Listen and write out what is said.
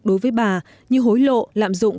đối với bà như hối lộ lạm dụng